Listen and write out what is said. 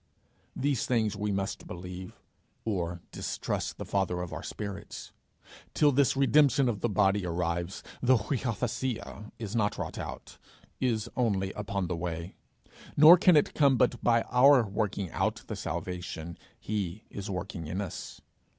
These things we must believe, or distrust the Father of our spirits. Till this redemption of the body arrives, the [Greek: uiothesia] is not wrought out, is only upon the way. Nor can it come but by our working out the salvation he is working in us.